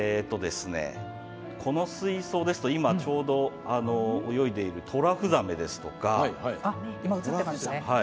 この水槽ですと、今、ちょうど泳いでいるトラフザメですとか。